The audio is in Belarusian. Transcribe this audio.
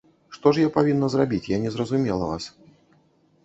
Што ж я павінна зрабіць, я не зразумела вас.